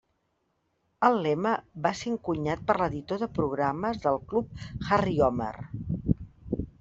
El lema va ser encunyat per l'editor de programes del club Harry Homer.